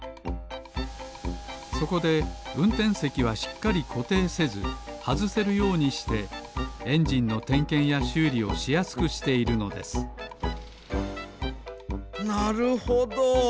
そこでうんてんせきはしっかりこていせずはずせるようにしてエンジンのてんけんやしゅうりをしやすくしているのですなるほど。